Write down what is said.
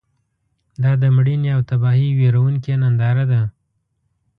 دا د مړینې او تباهۍ ویرونکې ننداره ده.